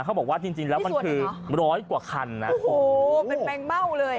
เขาบอกว่าจริงจริงแล้วมันคือร้อยกว่าคันนะโอ้โหเป็นแมงเบ้าเลย